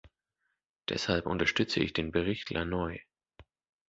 Deshalb unterstütze ich den Bericht Lannoye.